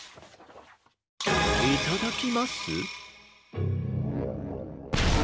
「いただきます」？